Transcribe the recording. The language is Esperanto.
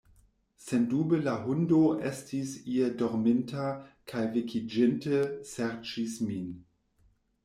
Sendube la hundo estis ie dorminta kaj vekiĝinte, serĉis min.